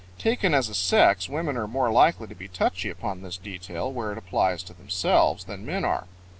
Taken as a sex, women are more likely to be touchy upon this detail where it applies to themselves than men are.